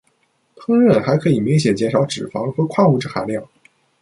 烹饪还可以明显减少脂肪和矿物质含量。